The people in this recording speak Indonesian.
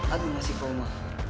adun masih koma